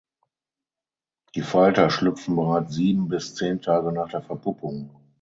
Die Falter schlüpfen bereits sieben bis zehn Tage nach der Verpuppung.